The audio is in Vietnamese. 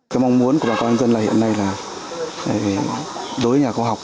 cái mong muốn của bà con nhân dân là hiện nay là đối với nhà khoa học